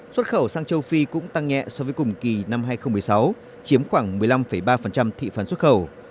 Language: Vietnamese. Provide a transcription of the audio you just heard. xuất khẩu sang châu phi cũng tăng nhẹ so với cùng kỳ năm hai nghìn một mươi sáu chiếm khoảng một mươi năm ba thị phần xuất khẩu